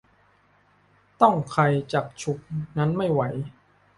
ต้องใครจักฉุกนั้นไม่ไหว